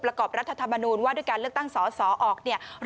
ประกอบรัฐธรรมนูญว่าด้วยการเลือกตั้งสอสอออกเนี่ย